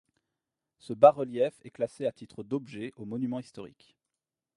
Ce bas-relief est classé à titre d'objet aux Monuments historiques.